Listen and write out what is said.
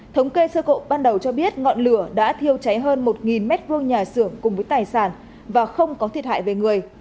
thống kê sơ bộ ban đầu cho biết ngọn lửa đã thiêu cháy hơn một m hai nhà xưởng cùng với tài sản và không có thiệt hại về người